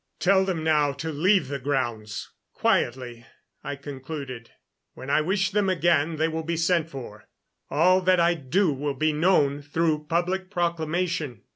"Tell them now to leave the grounds, quietly," I concluded. "When I wish them again they will be sent for. All that I do will be known through public proclamation."